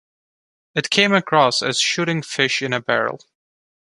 It came across as shooting fish in a barrel.